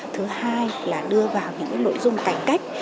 thứ hai là đưa vào những cái nội dung cạnh cách